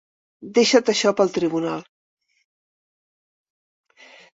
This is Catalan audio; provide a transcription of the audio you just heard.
Deixa't això pel Tribunal.